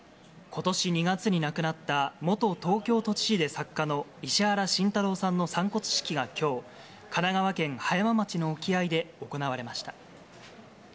ことし２月に亡くなった元東京都知事で作家の石原慎太郎さんの散骨式がきょう、神奈川県葉山町の沖合で行われました。